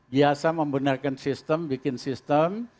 biasa membenarkan sistem bikin sistem